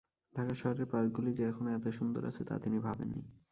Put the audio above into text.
ঢাকা শহরের পার্কগুলি যে এখনো এত সুন্দর আছে তা তিনি ভাবেন নি।